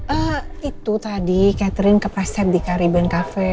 eh itu tadi catherine kepreset di kariben cafe